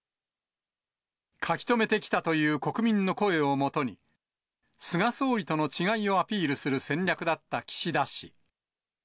書き留めてきたという国民の声をもとに、菅総理との違いをアピールする戦略だった岸田氏。